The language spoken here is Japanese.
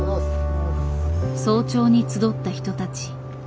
早朝に集った人たち。